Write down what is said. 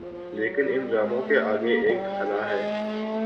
لیکن ان ڈراموں کے آگے ایک خلاہے۔